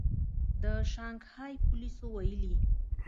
د شانګهای پولیسو ویلي